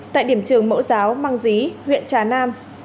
tại điểm trường mỡ giáo măng dí huyện trà nam